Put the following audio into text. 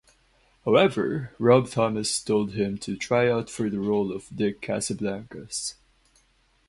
However, Rob Thomas told him to try out for the role of Dick Casablancas.